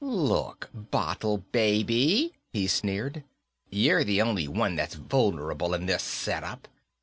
"Look, bottle baby," he sneered, "you're the only one that's vulnerable in this set up.